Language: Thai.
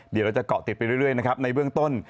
เดี๋ยวเราจะเกาะติดไปเรื่อยนะครับในเบื้องต้น